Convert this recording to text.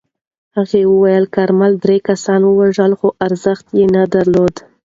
هغه ویلي، کارمل درې کسان وژلي خو ارزښت نه یې درلود.